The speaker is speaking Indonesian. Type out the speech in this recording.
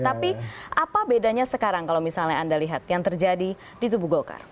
tapi apa bedanya sekarang kalau misalnya anda lihat yang terjadi di tubuh golkar